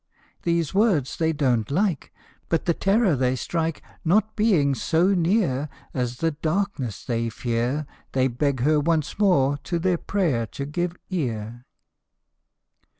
" These words they don't like, But the terror they strike Not being so near As the darkness they fear, They beg her once more to their prayer to give ear.